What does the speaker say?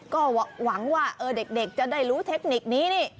ก็หวังว่าเด็กจะได้รู้เทคนิคนี้นี่